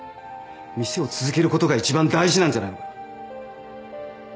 店を続けることが一番大事なんじゃないのか。